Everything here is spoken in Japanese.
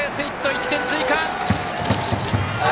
１点追加。